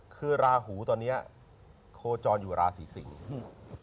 คือราหูตอนนี้โคนจรอยู่ราศีสิงฮะ